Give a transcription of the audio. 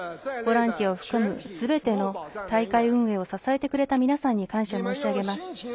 ボランティアを含むすべての大会運営を支えてくれた皆さんに感謝を申し上げます。